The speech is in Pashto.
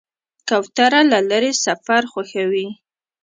کوتره له لرې سفر خوښوي.